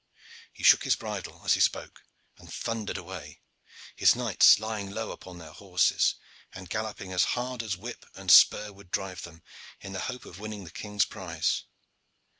He shook his bridle as he spoke, and thundered away, his knights lying low upon their horses and galloping as hard as whip and spur would drive them, in the hope of winning the king's prize.